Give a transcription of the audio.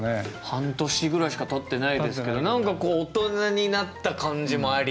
半年ぐらいしかたってないですけど何かこう大人になった感じもあり。